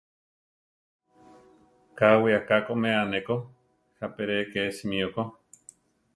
Káwi aká koʼmea neko, jápi re ké simió ko.